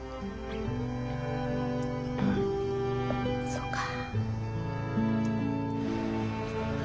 そうか。